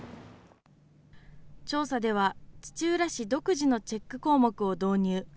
調査では土浦市独自のチェック項目を導入。